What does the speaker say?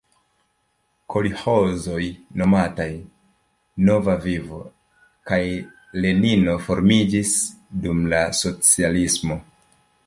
Kolĥozoj nomataj "Nova Vivo" kaj Lenino formiĝis dum la socialismo.